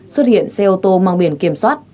xuất hiện xe ô tô mang biển kiểm soát